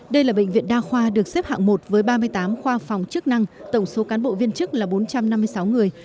đây là bệnh viện đa khoa được xếp hạng một với ba mươi tám khoa phòng chức năng tổng số cán bộ viên chức là bốn trăm năm mươi sáu người